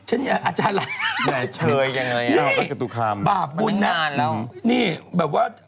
อาจารย์รัก